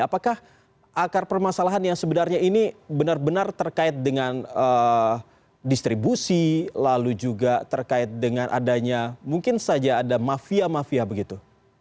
apakah akar permasalahan yang sebenarnya ini benar benar terkait dengan distribusi lalu juga terkait dengan adanya mungkin saja ada mafia mafia begitu